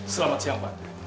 selamat siang pak